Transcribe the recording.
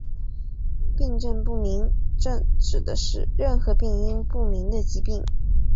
病因不明症指的是任何病因不明的疾病。